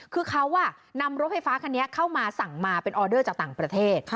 คือเขานำรถไฟฟ้าคันนี้เข้ามาสั่งมาเป็นออเดอร์จากต่างประเทศ